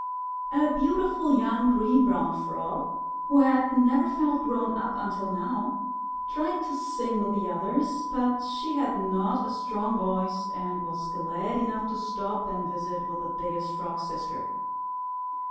A beautiful young Green Brown Frog, who had never felt grown up until now, tried to sing with the others, but she had not a strong voice, and was glad enough to stop and visit with the Biggest Frog's Sister.